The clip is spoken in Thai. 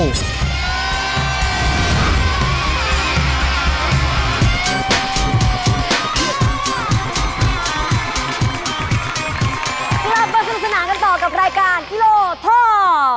กลับมาสนุกสนานกันต่อกับรายการกิโลท่อ